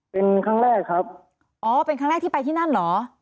เป็นครั้งแรกที่ไปที่นั่นหรอ